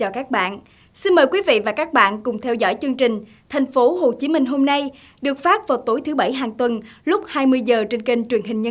các bạn hãy đăng ký kênh để ủng hộ kênh của chúng mình nhé